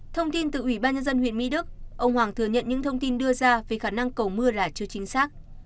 thông tin từ ủy ban nhân dân huyện mỹ đức ông hoàng thừa nhận những thông tin đưa ra về khả năng cầu mưa là chưa chính xác